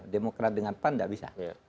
demokrat dengan pan tidak bisa